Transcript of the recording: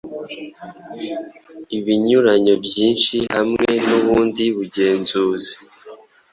Ibinyuranyo byinshi hamwe nubundi bugenzuzi